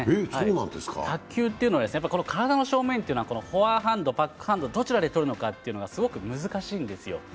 卓球というのは、体の正面というのは、フォアハンドバックハンド、どちらで取るのかというのはすごく難しいんですよ。